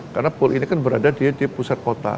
karena pool ini kan berada di pusat kota